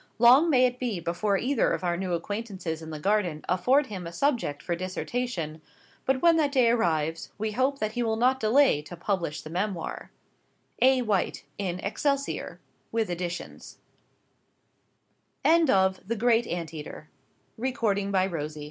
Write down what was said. Long may it be before either of our new acquaintances in the Garden afford him a subject for dissection; but when that day arrives, we hope that he will not delay to publish the memoir. A. White, in "Excelsior" (with additions). FOOTNOTES: Sydney Smith, "Review of Waterton's Wanderings."